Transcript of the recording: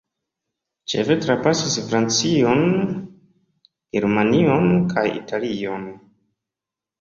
Ĉefe trapasis Francion, Germanion kaj Italion.